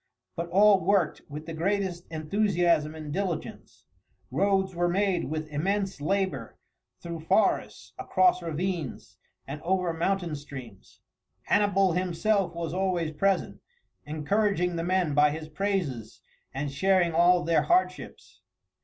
But all worked with the greatest enthusiasm and diligence; roads were made with immense labour through forests, across ravines, and over mountain streams. Hannibal himself was always present, encouraging the men by his praises, and sharing all their hardships.